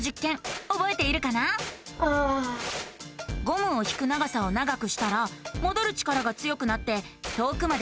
ゴムを引く長さを長くしたらもどる力が強くなって遠くまでうごいたよね。